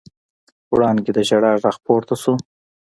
وړانګې د ژړا غږ پورته شو.